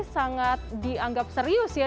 sangat dianggap serius ya